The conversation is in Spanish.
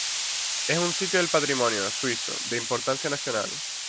Es un sitio del patrimonio suizo de importancia nacional.